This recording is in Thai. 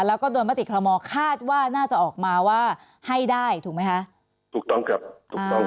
แล้วก็โดนมติคอลโมคาดว่าน่าจะออกมาว่าให้ได้ถูกไหมคะถูกต้องครับถูกต้อง